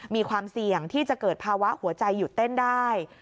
มีความเสี่ยงที่จะเกิดภาวะหัวใจหยุดเต้นได้